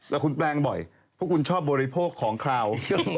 แล้วคุณแปลงบ่อยเพราะคุณชอบบริโภคของคราว